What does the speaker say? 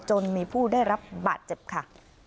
จนมีผู้ได้รับบาดเจ็บค่ะ